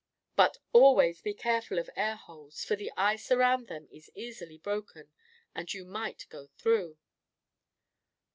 "But always be careful of air holes, for the ice around them is easily broken, and you might go through."